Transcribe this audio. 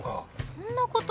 そんなこと？